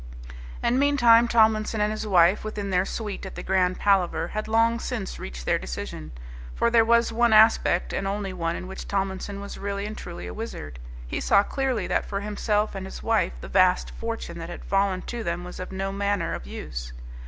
And meantime Tomlinson and his wife, within their suite at the Grand Palaver, had long since reached their decision. For there was one aspect and only one in which Tomlinson was really and truly a wizard. He saw clearly that for himself and his wife the vast fortune that had fallen to them was of no manner of use.